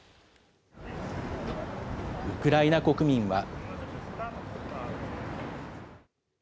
ウクライナ国民は。